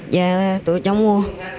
dạ tôi chẳng mua